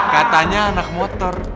katanya anak motor